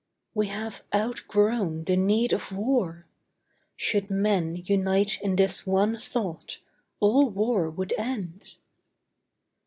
We have outgrown the need of war! Should men Unite in this one thought, all war would end.